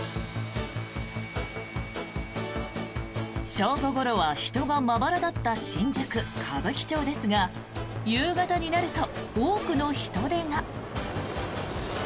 正午ごろは人がまばらだった新宿・歌舞伎町ですが夕方になると多くの人出が。